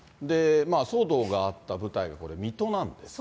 騒動があった舞台、これ、水戸なんですね。